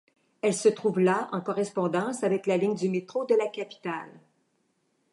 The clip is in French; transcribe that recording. Elle se trouve là en correspondance avec la ligne du métro de la capitale.